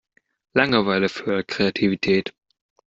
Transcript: Langeweile fördert Kreativität.